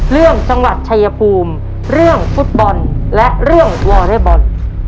จังหวัดชายภูมิเรื่องฟุตบอลและเรื่องวอเรย์บอล